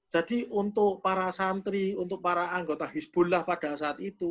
jadi untuk para santri untuk para anggota hezbollah pada saat itu